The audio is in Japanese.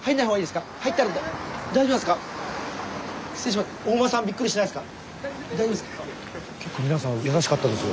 スタジオ結構皆さん優しかったですよ